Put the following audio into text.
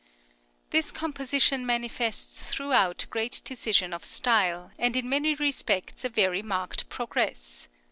This composition manifests throughout great decision of style, and in many respects a very marked progress.